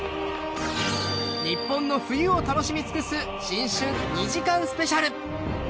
日本の冬を楽しみつくす新春２時間スペシャル。